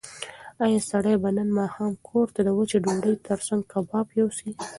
ایا سړی به نن ماښام کور ته د وچې ډوډۍ تر څنګ کباب یوسي؟